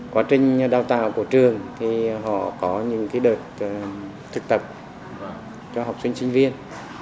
quá trình đào tạo của trường thì họ có những đợt thực tập cho học sinh sinh viên